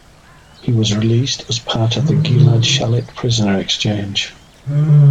He was released as part of the Gilad Shalit prisoner exchange.